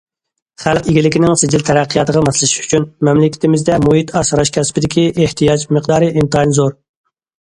خەلق ئىگىلىكىنىڭ سىجىل تەرەققىياتىغا ماسلىشىش ئۈچۈن، مەملىكىتىمىزدە مۇھىت ئاسراش كەسپىدىكى ئېھتىياج مىقدارى ئىنتايىن زور.